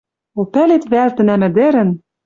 О пӓлет вӓл, тӹнӓм ӹдӹрӹн